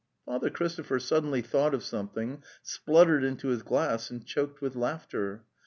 Father Christopher suddenly thought of some thing, spluttered into his glass and choked with laughter.